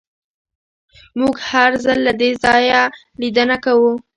موږ هر ځل له دې ځایه لیدنه کوو